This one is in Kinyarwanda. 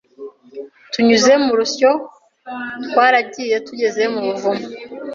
tunyuze mu rusyo twaragiye tugera mu buvumo